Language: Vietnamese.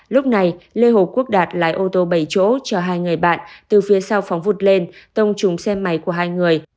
lúc này lê hồ quốc đạt lái ô tô bảy chỗ chở hai người bạn từ phía sau phóng vụt lên tông trúng xe máy của hai người